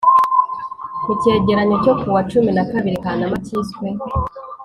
mu cyegeranyo cyo ku wa cumi nakabiri kanama cyiswe